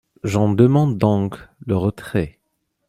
J’en demande donc le retrait.